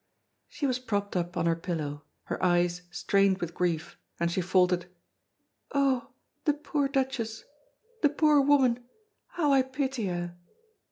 She was propped up on her pillow, her eyes strained with grief, and she faltered: "Oh! the poor Duchess the poor woman how I pity her!"